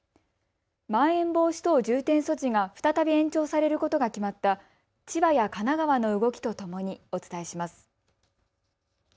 まん延防止等重点措置が再び延長されることが決まった千葉や神奈川の動きとともにお伝えします。